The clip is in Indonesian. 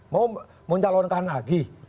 mau mencalonkan lagi